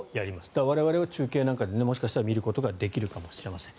だから、我々は中継なんかでもしかしたら見ることができるかもしれません。